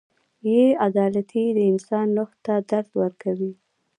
• بې عدالتي د انسان روح ته درد ورکوي.